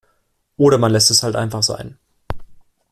Oder man lässt es halt einfach sein.